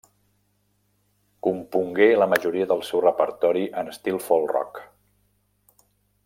Compongué la majoria del seu repertori en estil folk rock.